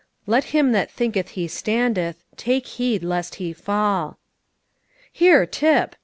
"Let him that thinketh he standeth, take heed lest he fall." "Here Tip!"